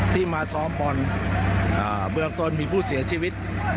ที่มาซ้อมบอลเบื้องต้นมีผู้เสียชีวิต